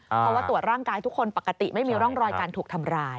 เพราะว่าตรวจร่างกายทุกคนปกติไม่มีร่องรอยการถูกทำร้าย